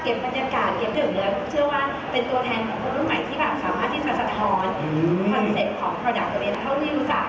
เก็บบรรยากาศเก็บเดินเดิน